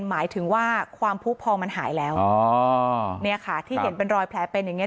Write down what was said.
หมายถึงว่าความผู้พองมันหายแล้วอ๋อเนี่ยค่ะที่เห็นเป็นรอยแผลเป็นอย่างเง